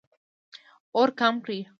اور کم کړئ